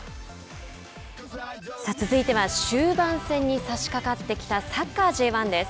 さあ、続いては終盤戦に差しかかってきたサッカーＪ１です。